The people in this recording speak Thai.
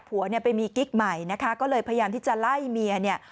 ผัวเนี่ยไปมีกิ๊กใหม่นะคะก็เลยพยายามที่จะไล่เมียเนี่ย